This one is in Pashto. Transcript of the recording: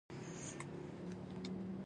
په بازار کښي رش دئ.